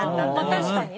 確かにね。